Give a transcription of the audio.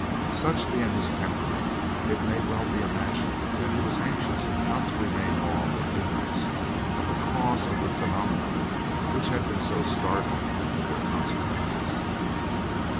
Such being his temperament, it may well be imagined that he was anxious not to remain long in ignorance of the cause of the phenomena which had been so startling in their consequences.